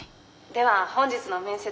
では本日の面接